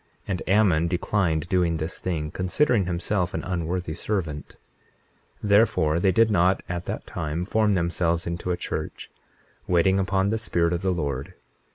And Ammon declined doing this thing, considering himself an unworthy servant. 21:34 Therefore they did not at that time form themselves into a church, waiting upon the Spirit of the Lord.